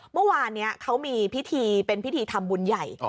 เมื่อวานนี้เขามีพิธีเป็นพิธีทำบุญใหญ่